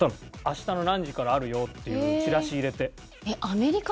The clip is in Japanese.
「明日の何時からあるよ」っていうのをチラシ入れて。